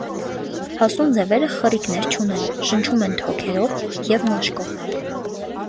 Հասուն ձևերը խռիկներ չունեն, շնչում են թոքերով և մաշկով։